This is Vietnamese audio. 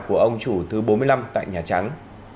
của ông chủ thứ bốn mươi năm tại nhà trắng